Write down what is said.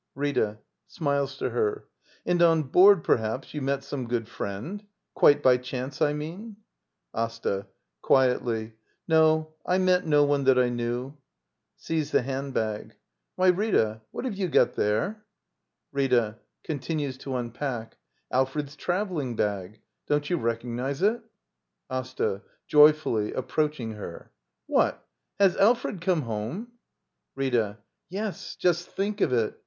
Rita. [Smiles to her.] And on board, perhaps, you met some good friend? Quite by chance, I mean. Asta. [Quietly.] No, I met no one that I knew. [Sees the hand bag.] Why, Rita, what have you got there? Rita. [Q>ntinues to unpack.] Alfred's travel ling bag. Don't you recognize it? d by Google ActL « LITTLE EYOLF AsTA. [Joyfully, approaching her.] What! Has Alfred come home? Rtta. Yes, just think of it!